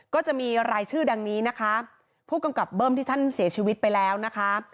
ก็จะมีรายชื่อดังนี้นะคะผู้กำกับเบิ้มที่ท่านเสียชีวิตไปแล้วนะคะ